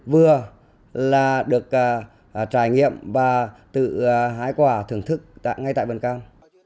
vừa là được trải nghiệm và tự hái quả thưởng thức ngay tại vườn cam